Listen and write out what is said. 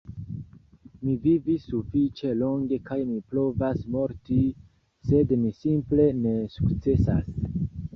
Mi vivis sufiĉe longe kaj mi provas morti, sed mi simple ne sukcesas.